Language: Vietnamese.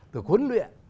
được huấn luyện